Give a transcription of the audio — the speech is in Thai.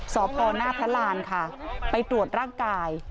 สพหน้าพระรานค่ะไปตรวจร่างกาย